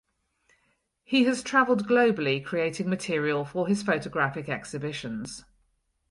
He has traveled globally creating material for his photographic exhibitions.